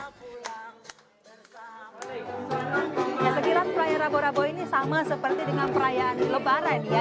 saya kira perayaan rabo rabo ini sama seperti dengan perayaan lebaran ya